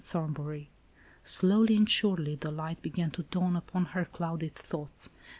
Thornbury." Slowly and surely the light began to dawn upon her clouded thoughts.